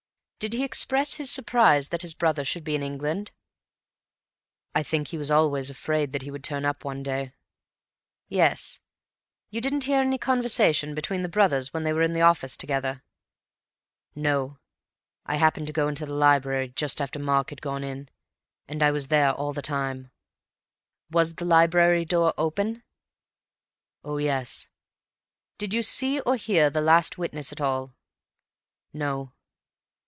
"Did he express his surprise that his brother should be in England?" "I think he was always afraid that he would turn up one day." "Yes.... You didn't hear any conversation between the brothers when they were in the office together?" "No. I happened to go into the library just after Mark had gone in, and I was there all the time." "Was the library door open?" "Oh, yes." "Did you see or hear the last witness at all?" "No."